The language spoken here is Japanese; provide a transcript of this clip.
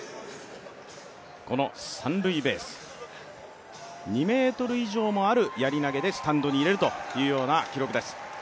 この３塁ベース、２ｍ以上あるやり投でスタンドに入れるという記録です。